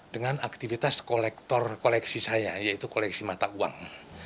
dengan aktivitas kolektor koleksi saya yaitu koleksi mata uang